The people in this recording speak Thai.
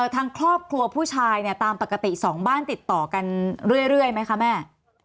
ทางครอบครัวผู้ชายเนี่ยตามปกติสองบ้านติดต่อกันเรื่อยไหมคะแม่